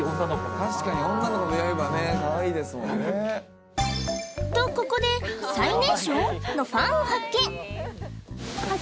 確かに女の子の八重歯ねかわいいですもんねとここで最年少？のファンを発見